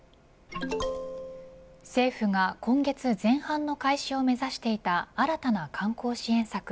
政府が今月前半の開始を目指していた新たな観光支援策